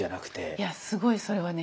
いやすごいそれはね